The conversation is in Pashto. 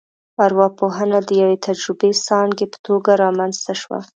ارواپوهنه د یوې تجربوي ځانګې په توګه رامنځته شوه